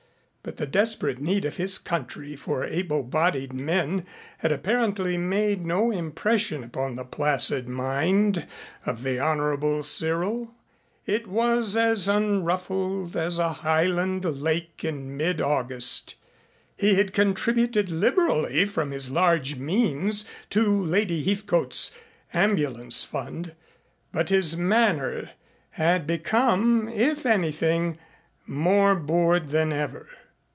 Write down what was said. But the desperate need of his country for able bodied men had apparently made no impression upon the placid mind of the Honorable Cyril. It was as unruffled as a highland lake in mid August. He had contributed liberally from his large means to Lady Heathcote's Ambulance Fund, but his manner had become, if anything, more bored than ever.